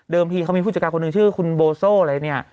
ที่เขามีผู้จัดการคนหนึ่งชื่อคุณโบโซ่อะไรเนี่ย